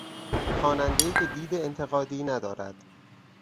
خوانندهای که دید انتقادی ندارد